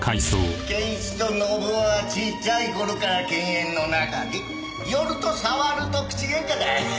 健一と信雄はちっちゃい頃から犬猿の仲で寄ると触ると口喧嘩だ。